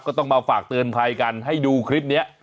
ก็ต้องมาฝากเตือนภัยกันให้ดูคลิปนี้